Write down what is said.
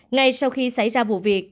ngay sau khi xảy ra vụ việc